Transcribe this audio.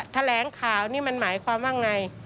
แถลงข่าวนี่มันหมายความว่าไง